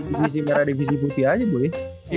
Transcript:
divisi merah divisi putih aja boleh